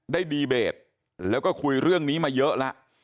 ดีเบตแล้วก็คุยเรื่องนี้มาเยอะแล้ว